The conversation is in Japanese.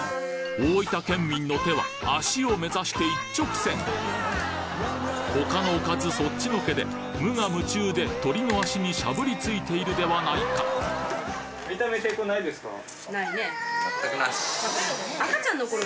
大分県民の手は足を目指して一直線他のおかずそっちのけで無我夢中で鶏の足にしゃぶりついているではないか肉球！？